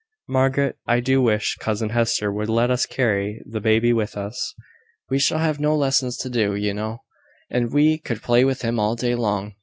Margaret, I do wish cousin Hester would let us carry the baby with us. We shall have no lessons to do, you know; and we could play with him all day long."